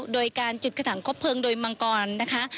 โดยการจุดกระถังคบเพลิงโดยมังกรนะคะ